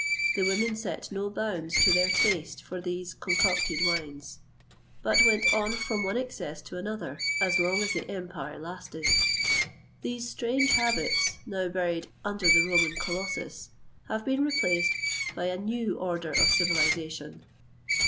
The women set no bounds to their taste for these concocted wines; but went on from one excess to another as long as the empire lasted. These strange habits, now buried under the Roman colossus, have been replaced by a new order of civilisation.